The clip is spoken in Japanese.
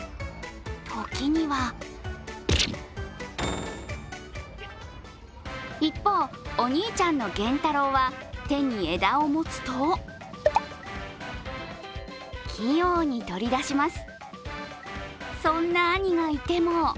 時には一方、お兄ちゃんのゲンタロウは手に枝を持つと器用に取り出します。